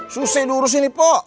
susih durus ini pok